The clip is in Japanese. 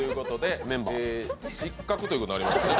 えー、失格ということになりますね。